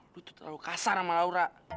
lu tuh terlalu kasar sama laura